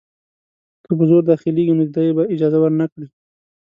که په زور داخلیږي نو دی به اجازه ورنه کړي.